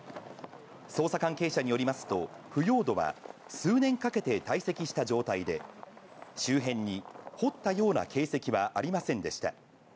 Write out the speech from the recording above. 捜査関係者によりますと、腐葉土は数年かけて堆積した状態で、周辺に掘ったような形跡はありませんでした。